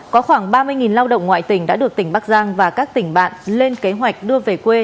có khoảng ba mươi lao động ngoại tỉnh đã được tỉnh bắc giang và các tỉnh bạn lên kế hoạch đưa về quê